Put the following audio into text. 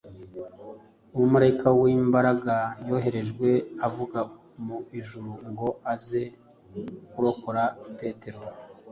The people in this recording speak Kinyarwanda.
Umumarayika w’umunyambaraga yoherejwe avuye mu ijuru ngo aze kurokora Petero.